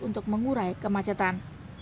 untuk mengurai kemacetan